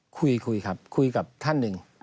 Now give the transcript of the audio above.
คุยครับคุยกับท่านหนึ่ง